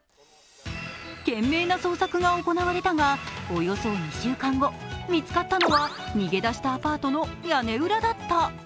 懸命な捜索が行われたがおよそ１週間後、見つかったのは逃げ出したアパートの屋根裏だった。